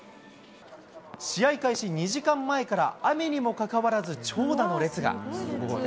試合開始２時間前から雨にもかかわらず、長蛇の列が。